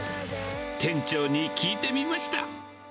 店長に聞いてみました。